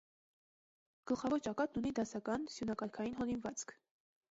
Գլխավոր ճակատն ունի դասական սյունակարգային հորինվածք։